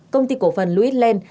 công ty cổ phần louis land